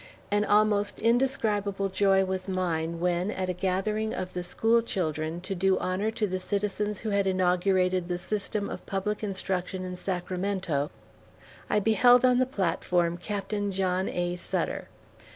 An almost indescribable joy was mine when, at a gathering of the school children to do honor to the citizens who had inaugurated the system of public instruction in Sacramento, I beheld on the platform Captain John A. Sutter.